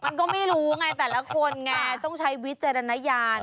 มันก็ไม่รู้ไงแต่ละคนไงต้องใช้วิจารณญาณ